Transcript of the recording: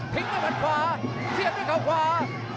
ทิ้งด้วยมันขวาเชียบด้วยเขาขวา